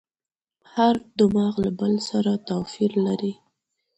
هر دماغ له بل سره توپیر لري.